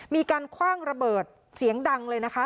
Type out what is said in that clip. มีการคว่างระเบิดเสียงดังเลยนะคะ